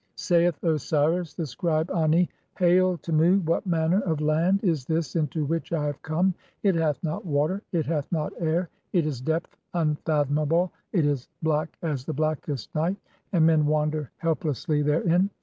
Saith Osiris, the scribe Ani :— (10) "Hail, Tmu ! What manner "[of land] is this into which I have come? It hath not water, "it hath not air; it is depth unfathomable, (11) it is black as "the blackest night, and men wander helplessly therein.